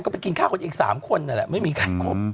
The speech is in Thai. ก็ไปกินข้าวคนเองสามคนนั่นแหละไม่มีชายบอก